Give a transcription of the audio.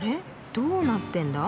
どうなってんだ？